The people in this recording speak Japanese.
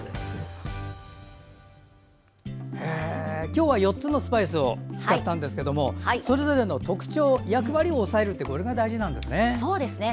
今日は４つのスパイスを使ったんですけれどもそれぞれの特徴役割を押さえるこれが大事なんですね。